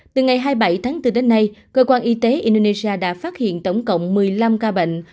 từ ngày hai mươi bảy tháng bốn đến nay cơ quan y tế indonesia đã phát hiện tổng cộng một mươi năm ca bệnh